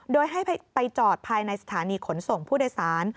โดยให้ไปจอดภายในสถานีขนส่งผู้โดยสาร